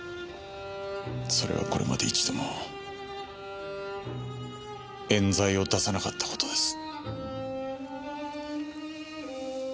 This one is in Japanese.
それはこれまで一度も冤罪を出さなかった事です。